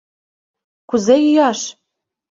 Кузе йӱаш?